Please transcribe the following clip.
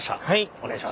お願いします